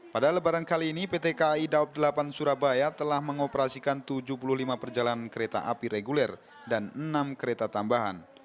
pada lebaran kali ini pt kai daob delapan surabaya telah mengoperasikan tujuh puluh lima perjalanan kereta api reguler dan enam kereta tambahan